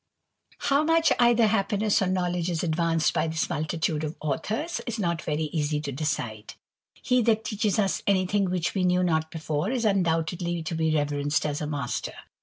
How much either happiness or knowledge is ad vanced by this multitude of authors, is not very easy to decide. He that teaches us any thing which we knew not before, is undoubtedly to be reverenced as a master.